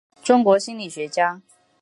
中国心理学家。